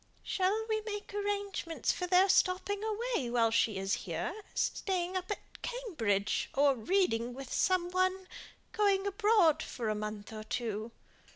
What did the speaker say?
"Shall we make arrangements for their stopping away while she is here; staying up at Cambridge, or reading with some one? going abroad for a month or two?"